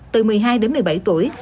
từ một mươi hai đến một mươi bảy tuổi